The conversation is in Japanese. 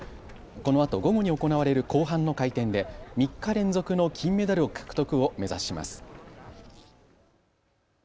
このあと午後に行われる後半の回転で３日連続の金メダル獲得を目指します。